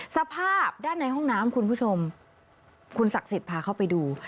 สภาพด้านในห้องน้ำคุณผู้ชมคุณศักดิ์สิทธิ์พาเข้าไปดู